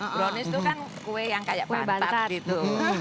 brownies itu kan kue yang kayak pintar gitu